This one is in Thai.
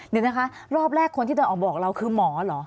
เดี๋ยวนะคะรอบแรกคนที่เดินออกมาบอกเราคือหมอเหรอ